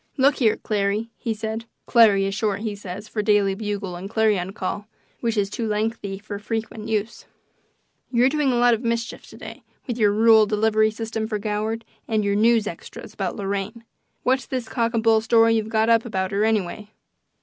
"Look here, Clarry," he said ("Clarry" is short, he says, for Daily Bugle and Clarion Call, which is "too lengthy for frequent use"), "you're doing a lot of mischief to day with your rural delivery system for Goward and your news extras about Lorraine. What's this cock and bull story you've got up about her, anyway?"